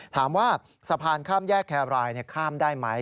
ถามว่าสะพานข้ามแยกแครรายข้ามได้ไหม